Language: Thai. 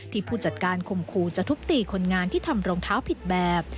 ผู้จัดการข่มขู่จะทุบตีคนงานที่ทำรองเท้าผิดแบบ